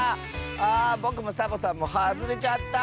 あぼくもサボさんもはずれちゃった。